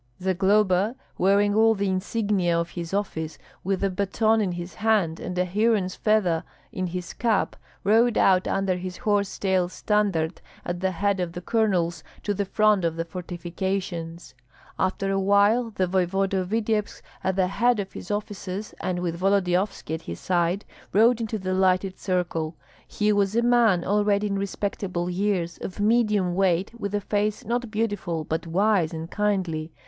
Zagloba, wearing all the insignia of his office, with a baton in his hand and a heron's feather in his cap, rode out under his horse tail standard, at the head of the colonels, to the front of the fortifications. After a while the voevoda of Vityebsk at the head of his officers, and with Volodyovski at his side, rode into the lighted circle. He was a man already in respectable years, of medium weight, with a face not beautiful, but wise and kindly.